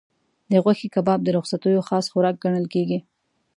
د غوښې کباب د رخصتیو خاص خوراک ګڼل کېږي.